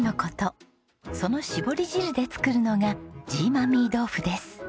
その搾り汁で作るのがジーマーミ豆腐です。